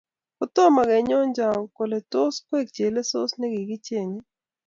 Kitomo konyoncho kole tos koek chelosos nekikichengei